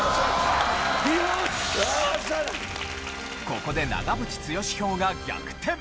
ここで長渕剛票が逆転。